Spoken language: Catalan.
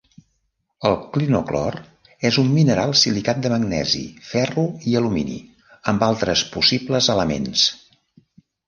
El clinoclor és un mineral silicat de magnesi, ferro i alumini, amb altres possibles elements.